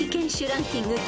ランキング